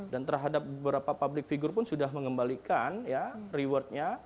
dan terhadap beberapa public figure pun sudah mengembalikan rewardnya